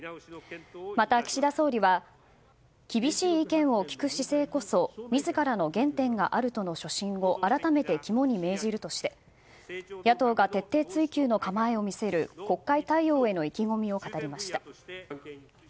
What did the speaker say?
また、岸田総理は厳しい意見を聞く姿勢こそ自らの原点があるとの初心を改めて肝に銘じるとして野党が徹底追及の構えを見せる国会対応への意気込みを語りました。